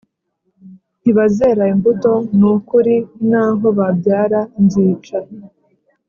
ntibazera imbuto Ni ukuri naho babyara nzica